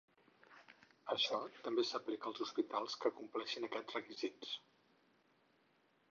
Això també s'aplica als hospitals que compleixin aquests requisits.